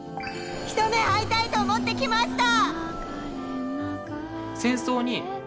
一目会いたいと思って来ました！